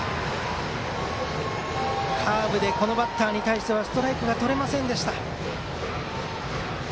カーブでこのバッターに対してはストライクがとれませんでした。